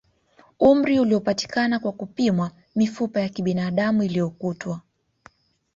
Umri uliopatikana kwa kupimwa mifupa ya kibinadamu iliyokutwa